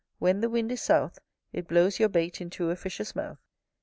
when the wind is south, It blows your bait into a fish's mouth.